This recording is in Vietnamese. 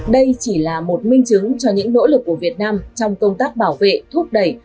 đây chỉ là một minh chứng cho những nỗ lực của việt nam trong công tác bảo vệ thúc đẩy